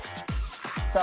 さあ。